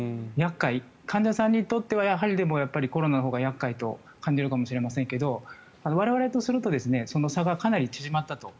患者さんにとってはコロナのほうが厄介と感じるかもしれませんけど我々とするとその差がかなり縮まったと。